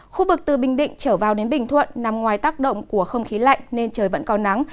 khu vực từ bình định trở vào đến bình thuận nằm ngoài tác động của không khí lạnh nên trời vẫn có nắng